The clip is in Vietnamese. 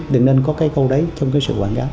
thì nên có cái câu đấy trong cái sự quảng cáo